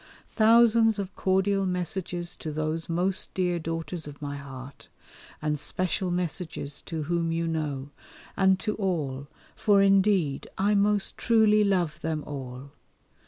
Thousands of cordial messages to those most dear daughters of my heart, and special messages to whom you know, and to all, for indeed I most truly love them all.